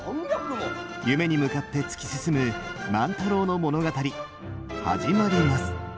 夢に向かって突き進む万太郎の物語始まります。